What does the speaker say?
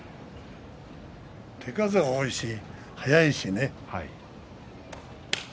手数は多いし速いしね。